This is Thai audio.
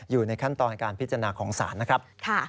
อยู่ในขั้นตอนการพิจารณาของศาลนะครับ